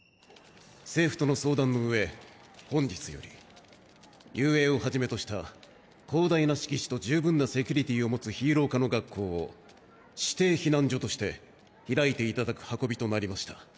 政府との相談の上本日より雄英をはじめとした広大な敷地と十分なセキュリティーを持つヒーロー科の学校を指定避難所として開いて頂く運びとなりました。